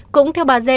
cũng theo bà z